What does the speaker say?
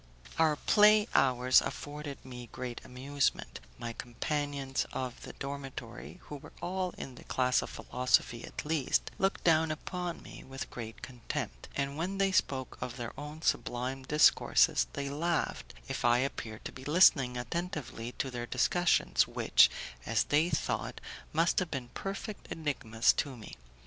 Our play hours afforded me great amusement; my companions of the dormitory, who were all in the class of philosophy at least, looked down upon me with great contempt, and when they spoke of their own sublime discourses, they laughed if I appeared to be listening attentively to their discussions which, as they thought, must have been perfect enigmas to me.